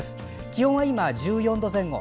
気温は今、１４度前後。